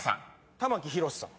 「玉木宏」さん。